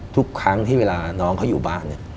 ทุกครั้งที่เวลาน้องเขาอยู่บ้านเนี่ย